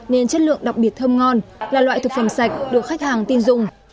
nên chất lượng đặc biệt thơm ngon là loại thực phẩm sạch được khách hàng tin dùng